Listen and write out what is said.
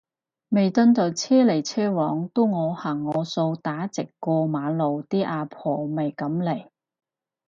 彌敦道車來車往都我行我素打直過馬路啲阿婆咪噉嚟